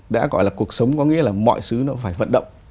đã gọi là cuộc sống có nghĩa là mọi thứ nó phải vận động